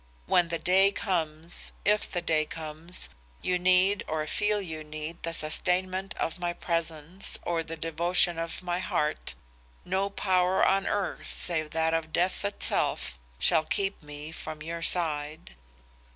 When the day comes if the day comes you need or feel you need the sustainment of my presence or the devotion of my heart, no power on earth save that of death itself, shall keep me from your side.